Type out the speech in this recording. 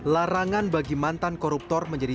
larangan bagi mantan koruptor menjadi